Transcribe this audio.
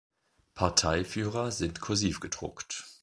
Parteiführer sind kursiv gedruckt.